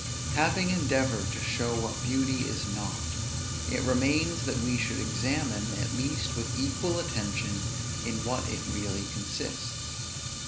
Having endeavored to show what beauty is not, it remains that we should examine, at least with equal attention, in what it really consists.